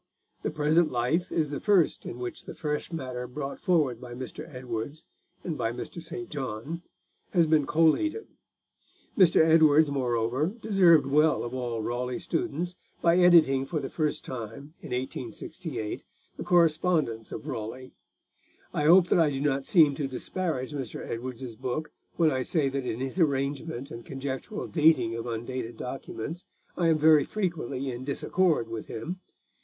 The present Life is the first in which the fresh matter brought forward by Mr. Edwards and by Mr. St. John has been collated; Mr. Edwards, moreover, deserved well of all Raleigh students by editing for the first time, in 1868, the correspondence of Raleigh. I hope that I do not seem to disparage Mr. Edwards's book when I say that in his arrangement and conjectural dating of undated documents I am very frequently in disaccord with him.